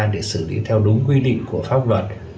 để xử lý theo đúng quy định của pháp luật